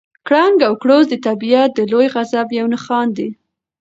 کړنګ او کړوس د طبیعت د لوی غضب یو نښان دی.